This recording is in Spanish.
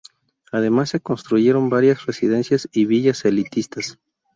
Además se construyeron varias residencias y villas elitistas.